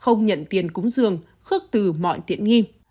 không nhận tiền cúng giường khước từ mọi tiện nghi